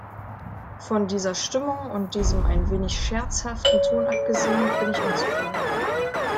Von dieser Stimmung und diesem ein wenig scherzhaften Ton abgesehen bin ich unzufrieden.